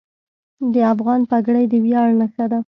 د افغان پګړۍ د ویاړ نښه ده.